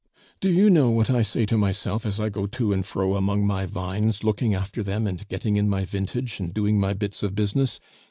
Do you know what I say to myself as I go to and fro among my vines, looking after them and getting in my vintage, and doing my bits of business?